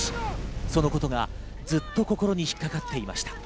そのことがずっと心に引っかかっていました。